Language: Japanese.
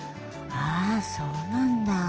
ああそうなんだ。